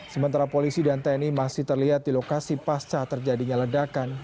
sementara polisi dan tni masih terlihat di lokasi pasca terjadinya ledakan